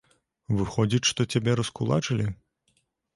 Выходзіць, што цябе раскулачылі?